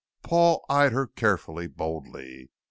Paul eyed her carefully, boldly.